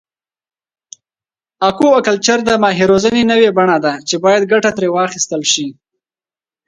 اکواکلچر د ماهي روزنې نوی بڼه ده چې باید ګټه ترې واخیستل شي.